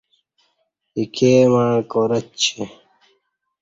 ایکئے مع کار اچی۔